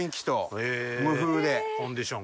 コンディション？